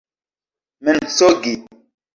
mensogi